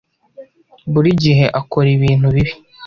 Buri gihe akora ibintu bibi.